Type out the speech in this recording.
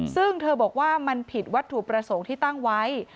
ซึ่งเธอบอกว่ามันผิดวัตถุประสงค์ที่ตั้งไว้